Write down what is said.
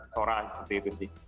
sora seperti itu sih